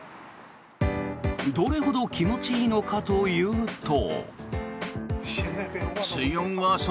どれほど気持ちいいのかというと。